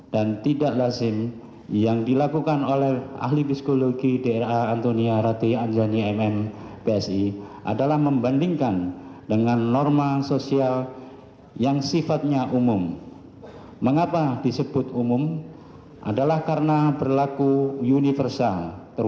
di dalam cairan lambung korban yang disebabkan oleh bahan yang korosif